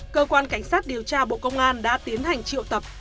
cơ quan cảnh sát điều tra bộ công an đã tiến hành triệu tập